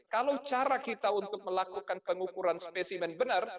kalau cara kita untuk melakukan pengukuran spesimen benar